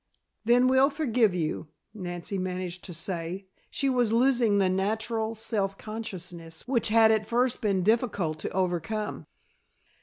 "Then, we'll forgive you," Nancy managed to say. She was losing the natural self consciousness which had at first been difficult to overcome.